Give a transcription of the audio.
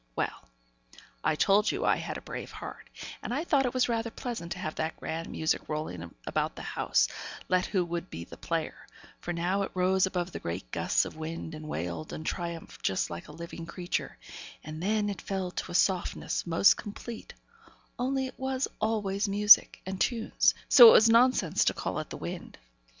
Well! I told you I had a brave heart; and I thought it was rather pleasant to have that grand music rolling about the house, let who would be the player; for now it rose above the great gusts of wind, and wailed and triumphed just like a living creature, and then it fell to a softness most complete, only it was always music, and tunes, so it was nonsense to call it the wind.